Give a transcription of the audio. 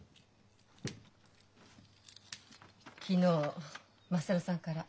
昨日優さんから。